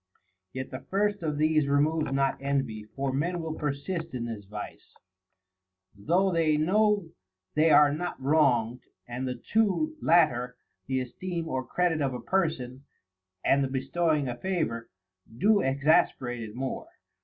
99 Yet the first of these removes not envy, for men will persist in this vice, though they know they are not wronged ; and the two latter (the esteem or credit of a person, and the bestowing a favor) do exasperate it more.